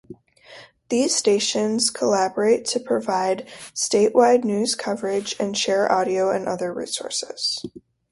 These stations collaborate to provide statewide news coverage and share audio and other resources.